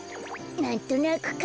なんとなくか。